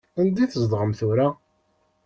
Anda i tzedɣem tura?